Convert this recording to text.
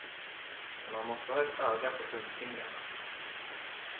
Men man måste ha ett öga på fruntimmerna.